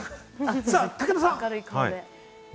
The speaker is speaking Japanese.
武田さん。